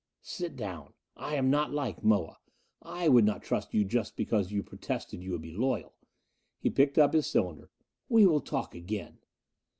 "Sit down. I am not like Moa. I would not trust you just because you protested you would be loyal." He picked up his cylinder. "We will talk again."